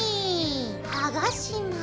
はがします。